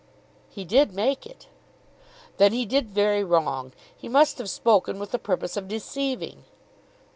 "He did make it." "Then he did very wrong. He must have spoken with the purpose of deceiving."